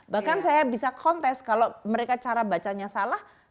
bahkan saya bisa kontes kalau mereka cara bacanya salah